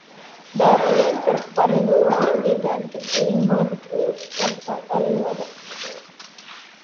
د رڼا تر خپرېدو وړاندې د ټګلیامنټو تر ساحل ورسېدو.